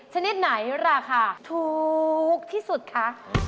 ชนิดไหนราคาถูกที่สุดคะ